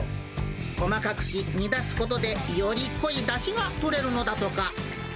細かくし、煮出すことで、より濃いだしが取れるのだとか。